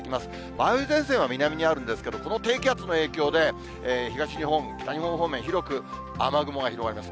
梅雨前線は南にあるんですけど、この低気圧の影響で、東日本、北日本方面、広く雨雲が広がります。